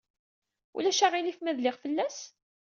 Ulac aɣilif ma dliɣ fell-as?